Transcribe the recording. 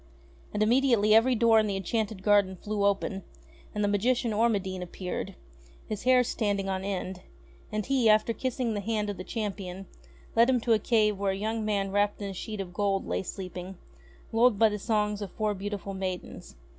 And immediately every door in the enchanted garden flew open, and the magician Ormadine appeared, his hair standing on end ; and he, after kissing the hand of the champion, led him to a cave where a young man wrapped in a sheet of gold lay sleeping, lulled by the songs of four beauti ful maidens.